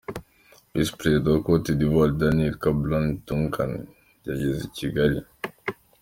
Visi Perezida wa Côte d’Ivoire, Daniel Kablan Duncan yageze i Kigali .